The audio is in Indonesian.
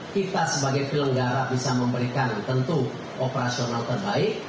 kita sebagai pelenggara bisa memberikan tentu operasional terbaik